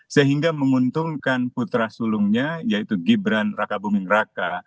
sehingga menguntungkan putra sulungnya yaitu gibran raka buming raka